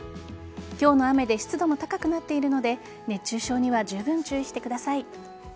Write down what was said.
今日の雨で湿度も高くなっているので熱中症にはじゅうぶん注意してください。